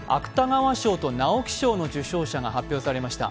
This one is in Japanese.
芥川賞と直木賞の受賞者が発表されました。